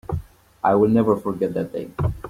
I will never forget that day.